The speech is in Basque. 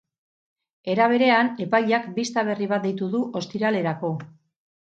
Era berean, epaileak bista berri bat deitu du ostiralerako.